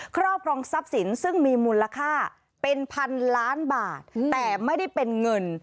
ครอบครองทรัพย์สินซึ่งมีมูลค่าเป็นพันล้านบาทแต่ไม่ได้เป็นเงิน